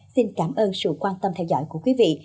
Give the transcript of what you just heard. xin cảm ơn sự quan tâm theo dõi của quý vị